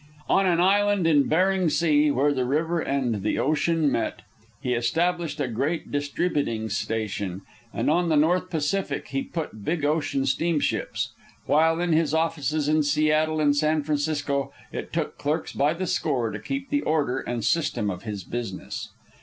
On an island in Bering Sea, where the river and the ocean meet, he established a great distributing station, and on the North Pacific he put big ocean steamships; while in his offices in Seattle and San Francisco it took clerks by the score to keep the order and system of his business.